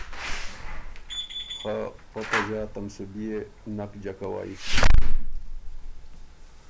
خه پۀ په ݫاته م سُو بيې نک جکوئ۔“